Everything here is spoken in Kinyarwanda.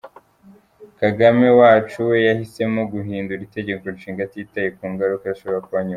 Kagame wacu we yahisemo guhindura itegeko-nshinga atitaye ku ngaruka zishobora kuba nyuma.